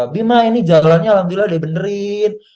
bima ini jalannya alhamdulillah udah dibenerin